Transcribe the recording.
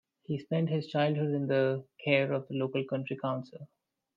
He spent his childhood in the care of the local county council.